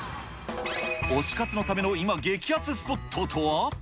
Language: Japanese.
推し活のための今、激熱スポットとは。